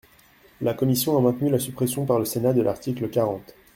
La commission a maintenu la suppression par le Sénat de l’article quarante.